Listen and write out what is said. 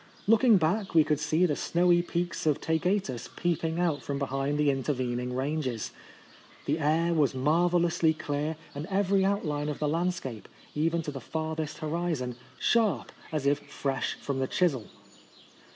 Look ing back we could see the snowy peaks of Taygetus peeping out from behind the intervening ranges. The air was marvellously clear, and every outline of the landscape, even to the farthest horizon, sharp as if fresh from the chisel.